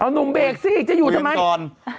หนุ่มเบรกสิจะอยู่ทำไม